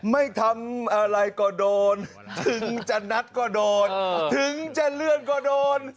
ไม่ทำอะไรก็โดนถึงจะนัดก็โดนถึงจะเลื่อนก็โดน